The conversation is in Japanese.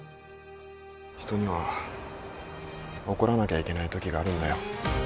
人には怒らなきゃいけないときがあるんだよ。